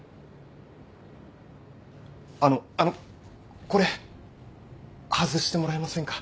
あのあのこれ外してもらえませんか？